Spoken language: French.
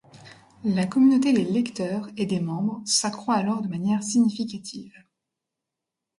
La communauté des lecteurs et des membres s'accroît alors de manière significative.